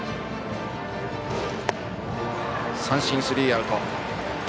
三振、スリーアウト。